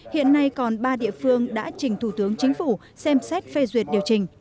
hiện nay còn ba địa phương đã trình thủ tướng chính phủ xem xét phê duyệt điều chỉnh